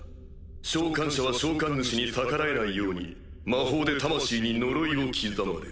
召喚者は召喚主に逆らえないように魔法で魂に呪いを刻まれる。